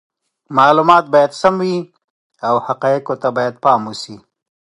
معلومات باید سم وي او حقایقو ته باید پام وشي.